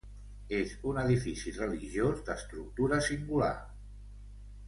És un edifici religiós d'estructura singular.